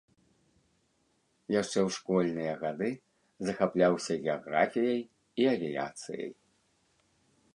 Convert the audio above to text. Яшчэ ў школьныя гады захапляўся геаграфіяй і авіяцыяй.